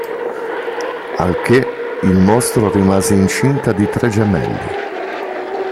Al che il mostro rimase incinta di tre gemelli.